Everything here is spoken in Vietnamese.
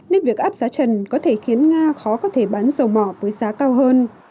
nên việc áp giá trần có thể khiến nga khó có thể bán dầu mỏ với giá cao hơn